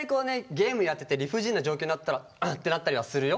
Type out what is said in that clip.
ゲームやってて理不尽な状況になってたら「あ！」ってなったりはするよ。